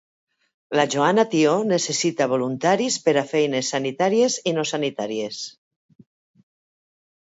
La Joana Tió necessita voluntaris per a feines sanitàries i no sanitàries.